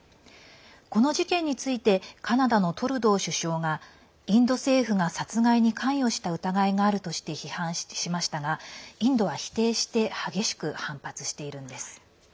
この事件についてカナダのトルドー首相がインド政府が殺害に関与した疑いがあるとして批判しましたがインドは否定して激しく反発しているんです。